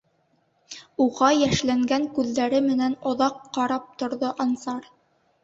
Уға йәшләнгән күҙҙәре менән оҙаҡ ҡарап торҙо Ансар.